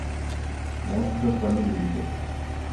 Monte das Gameleiras